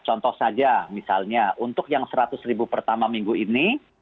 contoh saja misalnya untuk yang seratus ribu pertama minggu ini